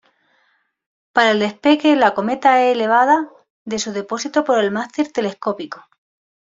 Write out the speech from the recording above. Para el despegue la cometa es elevado de su depósito por el mástil telescópico.